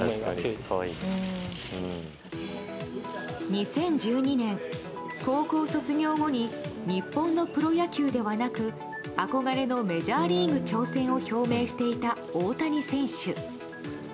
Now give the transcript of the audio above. ２０１２年、高校卒業後に日本のプロ野球ではなく憧れのメジャーリーグ挑戦を表明していた大谷選手。